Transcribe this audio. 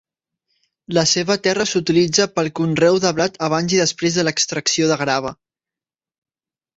La seva terra s'utilitza pel conreu de blat abans i després de l'extracció de grava.